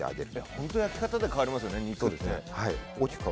本当、焼き方で変わりますよね肉って。